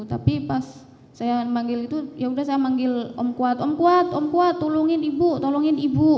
tapi pas saya manggil itu yaudah saya manggil om kuat om kuat om kuat tolongin ibu tolongin ibu